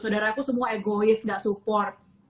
saudaraku semua egois gak support